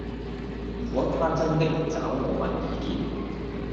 如果他真的找我問意見